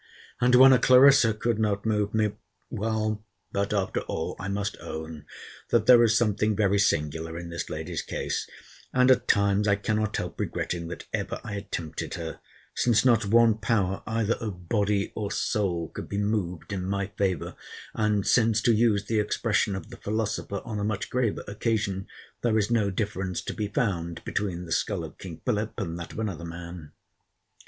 and when a CLARISSA could not move me? Well, but, after all, I must own, that there is something very singular in this lady's case: and, at times, I cannot help regretting that ever I attempted her; since not one power either of body or soul could be moved in my favour; and since, to use the expression of the philosopher, on a much graver occasion, there is no difference to be found between the skull of King Philip and that of another man.